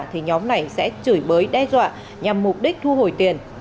thì nhóm này sẽ chửi bới đe dọa nhằm mục đích thu hồi tiền